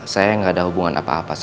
saya gak ada hubungan apa apa sama michelle